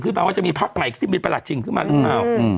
ขึ้นมาว่าจะมีภาพใหม่ที่มีประหลาดชิงขึ้นมาหรือเปล่าอืม